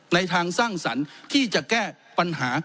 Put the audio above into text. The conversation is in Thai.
ในทางสร้างสรรค์ที่จะแก้ปัญหา